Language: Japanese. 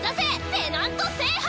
ペナント制覇！